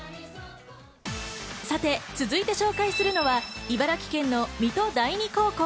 さて続いて紹介するのは茨城県の水戸第二高校。